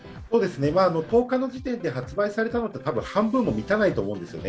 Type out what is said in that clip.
１０日の時点で発売されたのは、たぶん半分も満たないと思うんです。